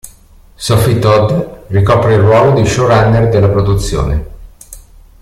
Sophie Todd ricopre il ruolo di showrunner della produzione.